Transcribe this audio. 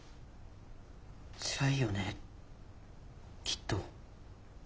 つらいよねきっと。